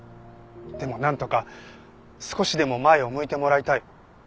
でもなんとか少しでも前を向いてもらいたい。